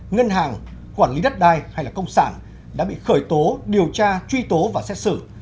ngân hàng quản lý đất đai hay là công sản đã bị khởi tố điều tra truy tố và xét xử